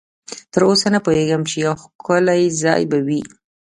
تراوسه نه پوهېږم، خو یو ښکلی ځای به وي.